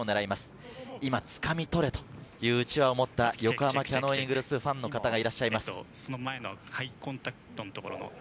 「掴み取れ！」といううちわを持った横浜キヤノンイーグルスファンの方がいらっしゃいます。